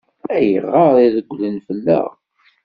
Ayɣer i regglen fell-aɣ?